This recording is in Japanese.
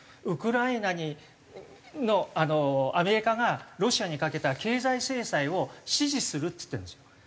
ウクライナのアメリカがロシアにかけた経済制裁を支持するっつってるんですよ。